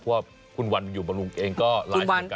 เพราะว่าคุณวันอยู่บำรุงเองก็ไลฟ์เหมือนกัน